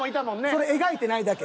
それ描いてないだけ。